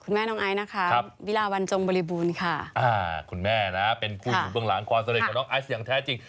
แม่น้องไอซ์นะคะวิลาวันจงบริบูรณ์ค่ะอ่าคุณแม่นะเป็นผู้อยู่เบื้องหลังความสำเร็จของน้องไอซ์อย่างแท้จริง